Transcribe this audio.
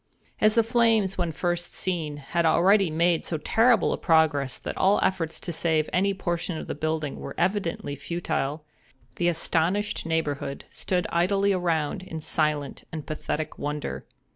As the flames, when first seen, had already made so terrible a progress that all efforts to save any portion of the building were evidently futile, the astonished neighborhood stood idly around in silent and pathetic wonder.